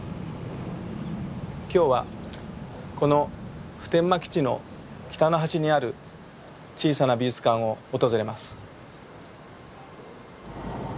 今日はこの普天間基地の北の端にある小さな美術館を訪れます。